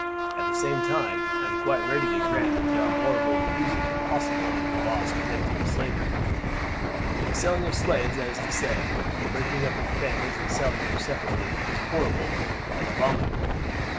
At the same time I am quite ready to grant that there are horrible abuses possible under the laws connected with slavery. "The selling of slaves, that is to say, the breaking up of families and selling them separately, is horrible and abominable.